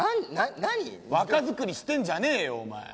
若作りしてんじゃねえよお前。